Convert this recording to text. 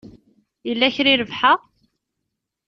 Yell kra i rebḥeɣ?